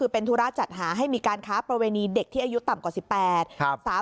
เป็นธุระจัดหาให้มีการค้าประเวณีเด็กที่อายุต่ำกว่า๑๘